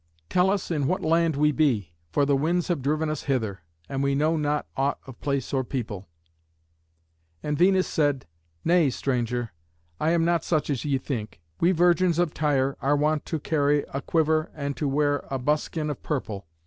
Tell us in what land we be, for the winds have driven us hither, and we know not aught of place or people." And Venus said, "Nay, stranger, I am not such as ye think. We virgins of Tyre are wont to carry a quiver and to wear a buskin of purple.